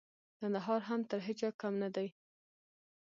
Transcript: کندهار هم تر هيچا کم نه دئ.